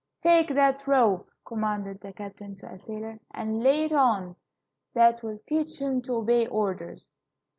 "Take that rope," commanded the captain to a sailor, "and lay it on; that will teach him to obey orders."